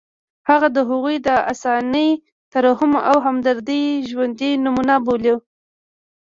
هغه د هغوی د انساني ترحم او همدردۍ ژوندۍ نمونه بولو.